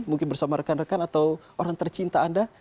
mungkin bersama rekan rekan atau orang tercinta anda